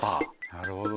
なるほどね。